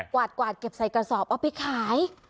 วาดกวาดเก็บใส่กระสอบเอาไปขาย